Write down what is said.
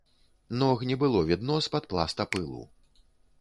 Ног не было відно з-пад пласта пылу.